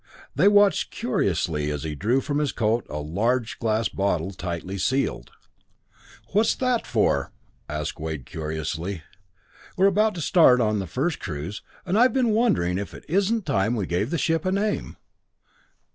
They watched curiously as he drew from his coat a large glass bottle, tightly sealed. "What's that for?" asked Wade curiously. "We're about to start on the first cruise, and I've been wondering if it isn't time we gave the ship a name."